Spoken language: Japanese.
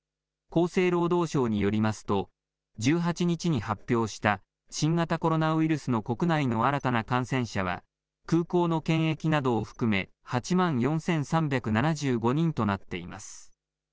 厚生労働省によりますと、１８日に発表した新型コロナウイルスの国内の新たな感染者は、空港の検疫などを含め、８万４３７５人となっています。